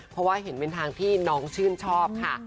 เพราะว่าเห็นเป็นทางที่น้องชื่นชอบค่ะ